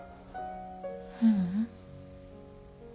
ううん。